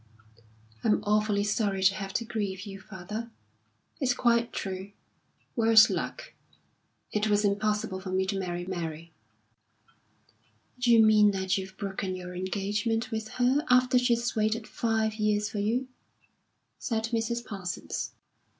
"I'm awfully sorry to have to grieve you, father. It's quite true worse luck! It was impossible for me to marry Mary." "D'you mean that you've broken your engagement with her after she's waited five years for you?" said Mrs. Parsons.